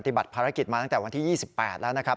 บัติภารกิจมาตั้งแต่วันที่๒๘แล้วนะครับ